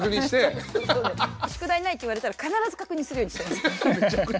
「宿題ない」って言われたら必ず確認するようにしてます。